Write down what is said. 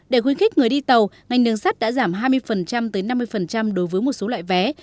để khuyến khích người đi tàu ngành đường sắt đã giảm hai mươi tới năm mươi đối với một số loại vé